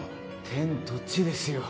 天と地ですよ。